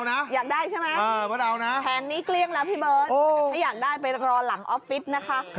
อยากได้ใช่ไหมแผงนี้เกลี้ยงแล้วพี่เบิร์ตถ้าอยากได้ไปรอหลังออฟฟิศนะคะ